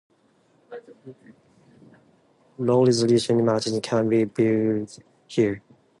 Low-resolution images can be viewed here.